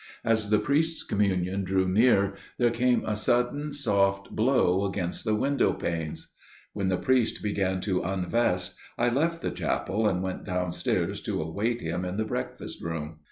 As the Priest's Communion drew near there came a sudden soft blow against the window panes.... When the priest began to unvest, I left the chapel and went downstairs to await him in the breakfast room.